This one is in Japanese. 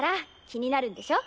気になるんでしょ？